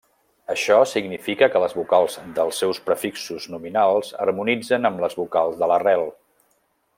Això significa que les vocals dels seus prefixos nominals harmonitzen amb les vocals de l'arrel.